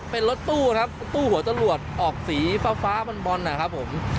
เป็นรถตู้ตู้หัวตลวดออกสีฟ้าบนนะครับผม